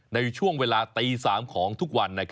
ในช่วงเวลาตี๓ของทุกวัน